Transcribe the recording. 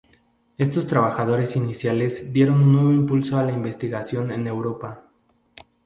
Estos trabajos iniciales dieron un nuevo impulso a la investigación en Europa.